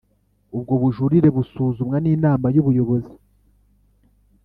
Ubwo bujurire busuzumwa n Inama y Ubuyobozi